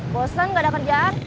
bosan gak ada kerjaan